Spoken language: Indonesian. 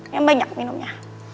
yang banyak minumnya